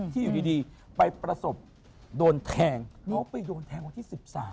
อยู่ดีไปประสบโดนแทงน้องไปโดนแทงวันที่๑๓